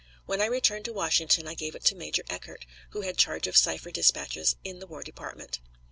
When I returned to Washington I gave it to Major Eckert, who had charge of cipher dispatches in the War Department.